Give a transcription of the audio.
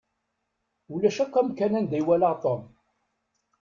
Ulac akk amkan anda i walaɣ Tom.